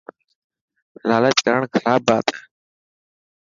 لالچ ڪرڻ خراب بات هي.